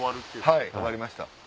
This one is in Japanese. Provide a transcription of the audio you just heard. はい分かりました。